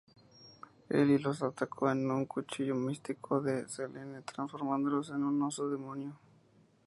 Eli los atacó con un cuchillo místico de Selene, transformándolos en un Oso Demonio.